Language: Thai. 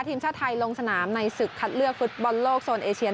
ทีมชาติไทยลงสนามในศึกคัดเลือกฟุตบอลโลกโซนเอเชียน